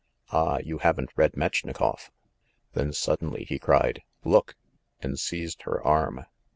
"Ah, you haven't read Metchnikoff." Then, suddenly he cried, "Look !" and seized her arm.